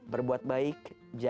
berbuat baik jangan nunggu kebaikan